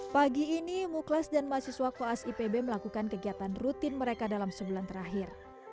pagi ini muklas dan mahasiswa koas ipb melakukan kegiatan rutin mereka dalam sebulan terakhir